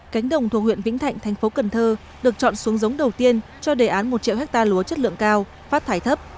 cánh đồng thuộc huyện vĩnh thạnh tp cnh được chọn xuống giống đầu tiên cho đề án một triệu hecta lúa chất lượng cao phát thải thấp